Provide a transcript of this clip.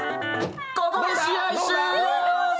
ここで試合終了！